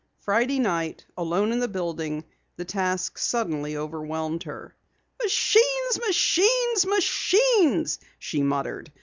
Friday night, alone in the building, the task suddenly overwhelmed her. "Machines, machines, machines," she muttered.